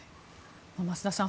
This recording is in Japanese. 増田さん